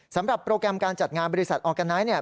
สำหรับโปรแกรมการจัดงานบริษัทออร์กันไนท์เนี่ย